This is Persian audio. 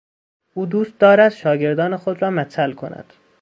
او دوست دارد شاگردان خود را مچل کند.